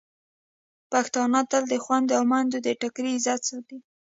پښتانه تل د خویندو او میندو د ټکري عزت ساتي.